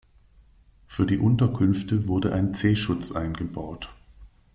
Für die Unterkünfte wurde ein C-Schutz eingebaut.